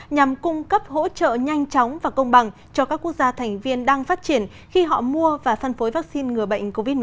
nhằm cung cấp hỗ trợ nhanh chóng và công bằng cho các quốc gia thành viên đang phát triển khi họ mua và phân phối vaccine ngừa bệnh covid một mươi chín